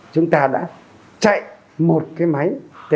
chúng ta đã chạy một cái máy